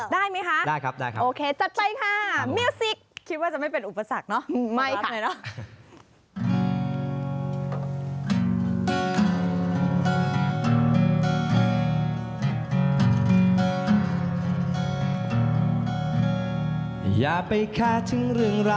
ได้มั้ยคะจัดไปค่ะมิวซิกคิดว่าจะไม่เป็นอุปสรรคเนอะพอรัสหน่อยเนอะ